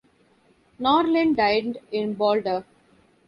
Norlin died in Boulder.